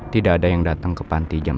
tidak ada yang datang ke panti jam empat